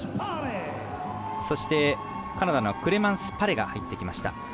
そして、カナダのクレマンス・パレが入ってきました。